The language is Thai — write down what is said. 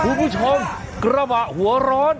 คุณผู้ชมกระบะหัวร้อน